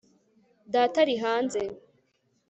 data ari hanze